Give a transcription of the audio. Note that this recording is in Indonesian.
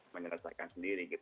menyelesaikan sendiri gitu